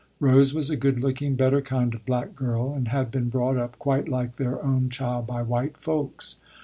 Rose was a good looking, better kind of black girl, and had been brought up quite like their own child by white folks.